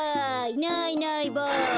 いないいないばあ。